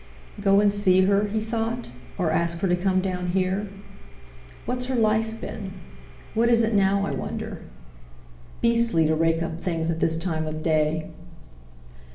"Go and see her?" he thought, "or ask her to come down here? What's her life been? What is it now, I wonder? Beastly to rake up things at this time of day."